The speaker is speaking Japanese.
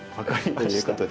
ということで。